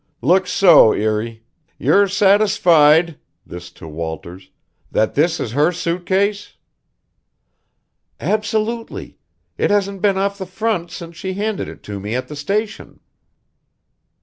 "Looks so, Erie. You're satisfied" this to Walters "that that is her suit case?" "Absolutely. It hasn't been off the front since she handed it to me at the station."